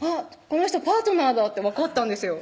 この人パートナーだって分かったんですよ